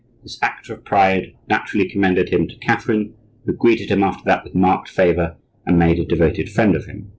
This act of pride naturally commended him to Catherine, who greeted him after that with marked favor and made a devoted friend of him.